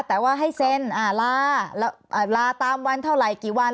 แต่ว่าให้เซ็นลาลาตามวันเท่าไหร่กี่วัน